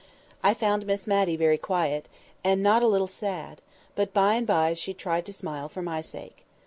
I found Miss Matty very quiet, and not a little sad; but by and by she tried to smile for my sake.